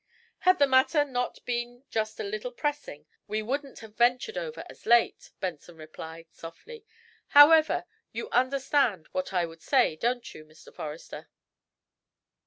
"Had the matter not been just a little pressing we wouldn't have ventured over as late," Benson replied, softly. "However, you understand what I would say, don't you, Mr. Forrester?"